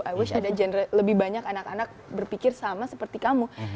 i wush ada lebih banyak anak anak berpikir sama seperti kamu